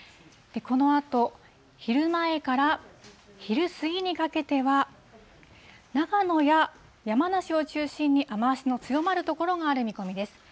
このあと昼前から昼過ぎにかけては、長野や山梨を中心に雨足の強まる所がある見込みです。